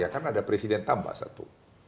karena ada presiden tambah satu